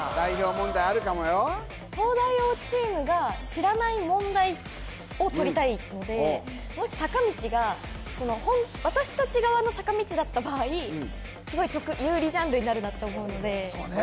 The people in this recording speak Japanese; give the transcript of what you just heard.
問題あるかもよ東大王チームが知らない問題をとりたいのでもし坂道が私たち側の坂道だった場合すごい得有利ジャンルになるなと思うのでそうね